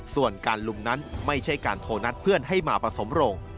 ส่วนการลุมนั้นไม่ใช่การโทรนัดเพื่อนให้มาผสมโรง